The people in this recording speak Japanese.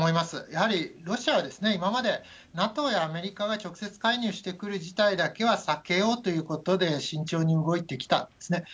やはりロシアは今までＮＡＴＯやアメリカが直接介入してくる事態だけは避けようということで、慎重に動いてきたんですね。